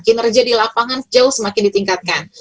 kinerja di lapangan jauh semakin ditingkatkan